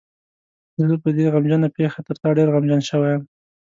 زه په دې غمجنه پېښه تر تا ډېر غمجن شوی یم.